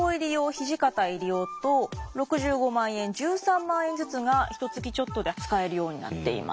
土方入用と６５万円１３万円ずつがひとつきちょっとで使えるようになっています。